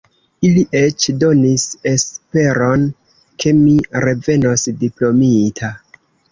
Ili eĉ donis esperon, ke mi revenos diplomita.